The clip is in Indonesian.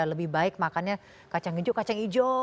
lebih baik makannya kacang hijau kacang ijo